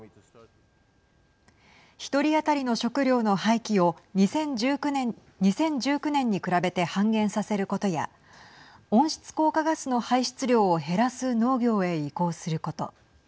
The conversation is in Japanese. １人当たりの食料の廃棄を２０１９年に比べて半減させることや温室効果ガスの排出量を減らす農業へ移行すること。